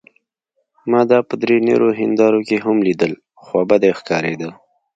ما دا په نورو درې هندارو کې هم لیدل، خوابدې ښکارېده.